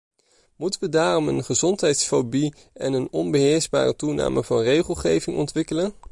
Moeten we daarom een gezondheidsfobie en een onbeheersbare toename van regelgeving ontwikkelen?